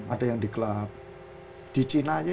ada yang di klub di cina aja